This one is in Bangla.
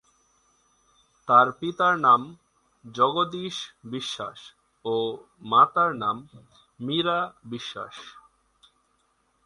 তার পিতার নাম জগদীশ বিশ্বাস ও মাতার নাম মীরা বিশ্বাস।